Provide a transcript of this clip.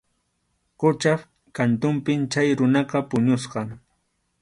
Quchap kantunpi chay runaqa puñusqa.